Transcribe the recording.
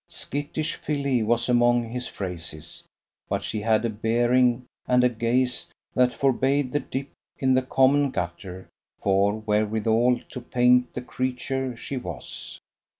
Skittish filly was among his phrases; but she had a bearing and a gaze that forbade the dip in the common gutter for wherewithal to paint the creature she was.